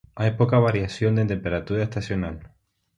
Hay poca variación de temperatura estacional.